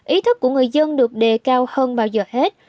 ý thức của người dân được đề cao hơn bao giờ hết